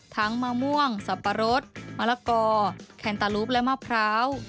มะม่วงสับปะรดมะละกอแคนตาลูปและมะพร้าว